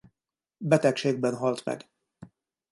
Betegségben halt meg.